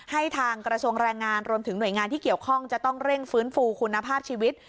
ให้ทางกระทรวงแรงงานรวมถึงหน่วยงานที่เกี่ยวข้องจะต้องเร่งฟื้นฟูคุณภาพชีวิต